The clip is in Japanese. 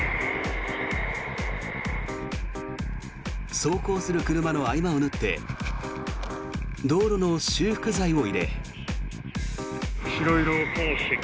走行する車の合間を縫って道路の修復材を入れ。